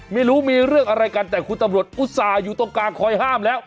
ไม่รู้มีเรื่องอะไรกันแต่คุณตำรวจอุตส่าห์อยู่ตรงกลางคอยห้ามแล้ว